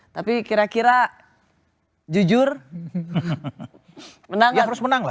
tapi kira kira jujur harus menang lah